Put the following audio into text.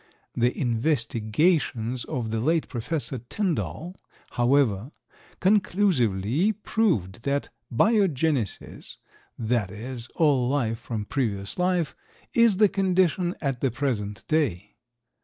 The investigations of the late Professor Tyndall, however, conclusively proved that biogenesis, that is, all life from previous life, is the condition at the present day.